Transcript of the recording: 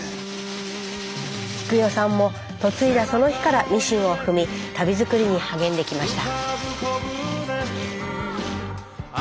喜久代さんも嫁いだその日からミシンを踏み足袋作りに励んできました。